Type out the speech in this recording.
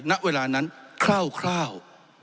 ณเวลานั้นคร่าว